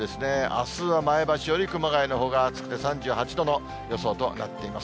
あすは前橋より熊谷のほうが暑くて３８度の予想となっています。